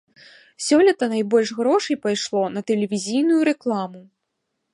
Сёлета найбольш грошай пайшло на тэлевізійную рэкламу.